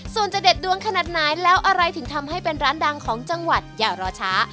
ส่วนจะเด็ดดวงขนาดไหนแล้วอะไรถึงทำให้เป็นร้านดังของจังหวัดอย่ารอช้า